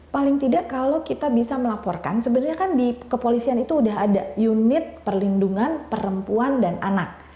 paling tidak kalau kita bisa melaporkan sebenarnya kan di kepolisian itu sudah ada unit perlindungan perempuan dan anak